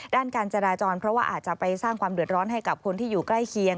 ด้านการจราจรเพราะว่าอาจจะไปสร้างความเดือดร้อนให้กับคนที่อยู่ใกล้เคียง